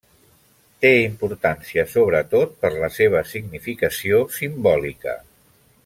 Té importància sobretot per la seva significació simbòlica.